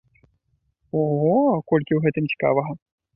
Ого, колькі ў гэтым цікавага!